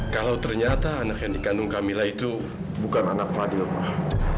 kalau ternyata anak yang dikandung camilla itu bukan anak fadil mah